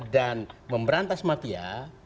dan memberantas mafia